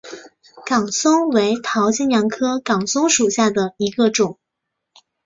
岗松为桃金娘科岗松属下的一个种。